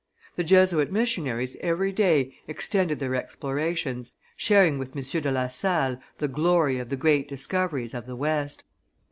The Jesuit missionaries every day extended their explorations, sharing with M. de La Salle the glory of the great discoveries of the West.